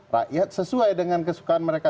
rakyat sesuai dengan kesukaan mereka